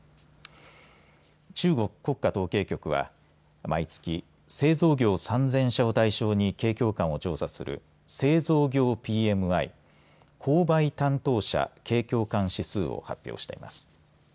中国国家統計局は毎月、製造業３０００社を対象に景況感を調査する製造業ＰＭＩ・購買担当者景況感指数を発表しています。